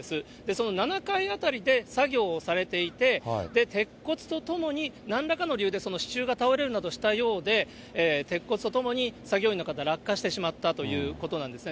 その７階辺りで作業をされていて、鉄骨とともになんらかの理由でその支柱が倒れるなどしたようで、鉄骨とともに作業員の方、落下してしまったということなんですね。